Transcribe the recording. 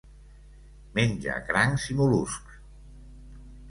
Menja crancs i mol·luscs.